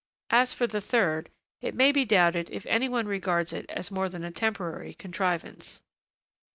As for the third, it may be doubted if anyone regards it as more than a temporary contrivance.